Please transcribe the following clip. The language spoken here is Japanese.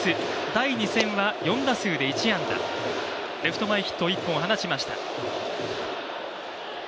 第２戦は４打数で１安打レフト前ヒットを１本放ちました。